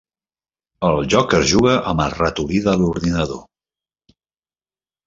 El joc es juga amb el ratolí de l'ordinador.